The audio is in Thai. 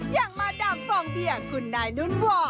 อย่างมาดามฟองเบียร์คุณนายนุ่นวอร์